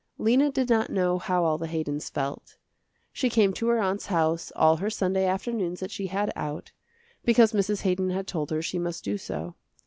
Lena did not know how all the Haydons felt. She came to her aunt's house all her Sunday afternoons that she had out, because Mrs. Haydon had told her she must do so.